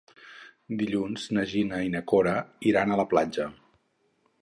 Dilluns na Gina i na Cora iran a la platja.